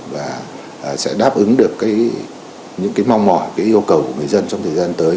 và sẽ đáp ứng được những mong mỏi yêu cầu của người dân trong thời gian tới